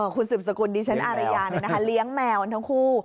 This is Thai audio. คุณสุบสกุลดีฉันอารยาใช่ไหมคะเลี้ยงแมวกันทั้งคู่